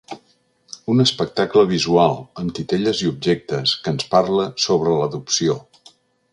Un espectacle visual, amb titelles i objectes, que ens parla sobre l’adopció.